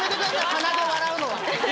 鼻で笑うのは。